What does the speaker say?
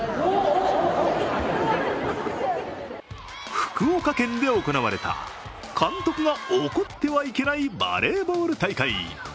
福岡県で行われた監督が怒ってはいけないバレーボール大会。